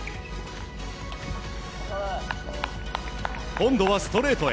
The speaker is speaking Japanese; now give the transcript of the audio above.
今度はストレートへ。